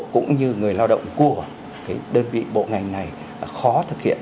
cũng như người lao động của đơn vị bộ ngành này khó thực hiện